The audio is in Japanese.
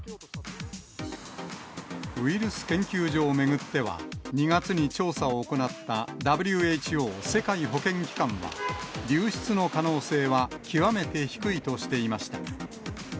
ウイルス研究所を巡っては、２月に調査を行ったＷＨＯ・世界保健機関は、流出の可能性は極めて低いとしていました。